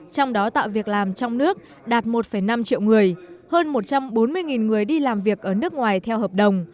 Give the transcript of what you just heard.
trong đó tạo việc làm trong nước đạt một năm triệu người hơn một trăm bốn mươi người đi làm việc ở nước ngoài theo hợp đồng